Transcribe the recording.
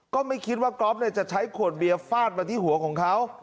ก็ไม่คิดว่าก๊อฟจะใช้ขวดเบียร์ฟาดมาที่หัวของเขา